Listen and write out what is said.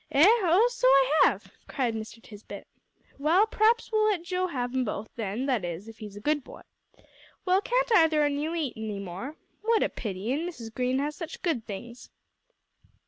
"Eh? Oh, so I have!" cried Mr. Tisbett. "Well, p'r'aps we'll let Joe have 'em both, then; that is, if he's a good boy. Well, can't either on you eat any more? What a pity, an' Mrs. Green has such good things."